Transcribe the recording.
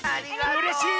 うれしい！